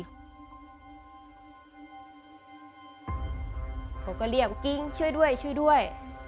เขาก็เรียกกิ้งช่วยด้วยช่วยด้วย